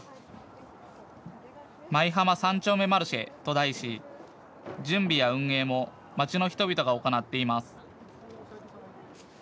舞浜三丁目マルシェと題し準備や運営も街の人々が行っています。